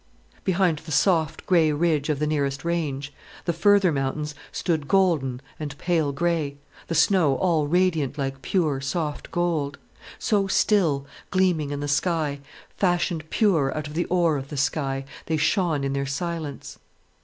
Behind the soft, grey ridge of the nearest range the further mountains stood golden and pale grey, the snow all radiant like pure, soft gold. So still, gleaming in the sky, fashioned pure out of the ore of the sky, they shone in their silence.